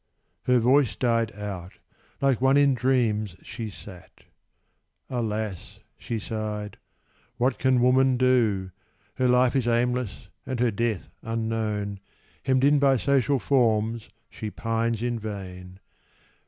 "_ Her voice died out: like one in dreams she sat. "Alas!" she sighed. "For what can Woman do? Her life is aimless, and her death unknown: Hemmed in by social forms she pines in vain.